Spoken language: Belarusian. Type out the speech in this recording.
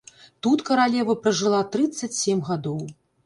Тут каралева пражыла трыццаць сем гадоў.